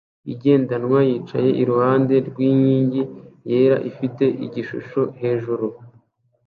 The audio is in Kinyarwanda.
igendanwa yicaye iruhande rwinkingi yera ifite igishusho hejuru